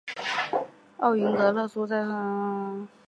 奥云格日勒在库苏古尔省出生和长大。